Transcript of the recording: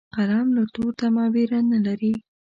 قلم له تورتمه ویره نه لري